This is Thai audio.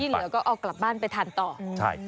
ที่เหลือก็เอากลับบ้านไปทานต่อ